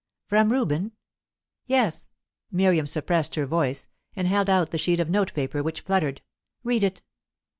"From Reuben!" "Yes." Miriam suppressed her voice, and held out the sheet of note paper, which fluttered. "Read it."